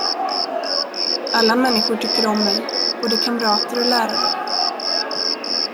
Alla människor tycker om mig, både kamrater och lärare.